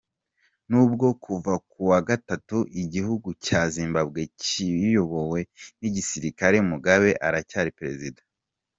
Nubwo kuva ku wa gatatu igihugu cya Zimbawe kiyobowe n’ igisirikare Mugabe aracyari Perezida.